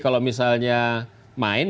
kalau misalnya main